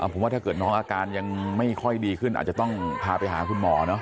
ผมว่าถ้าเกิดน้องอาการยังไม่ค่อยดีขึ้นอาจจะต้องพาไปหาคุณหมอเนาะ